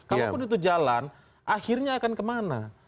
kalaupun itu jalan akhirnya akan kemana